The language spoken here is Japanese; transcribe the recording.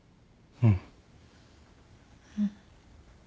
うん。